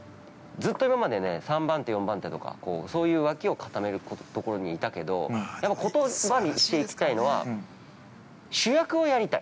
ずっと今までね、３番手４番手とか、そういう脇を固めるところにいたけどやっぱ言葉にしていきたいのは主役をやりたい。